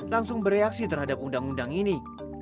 langsung bereaksi terhadap undang undang ini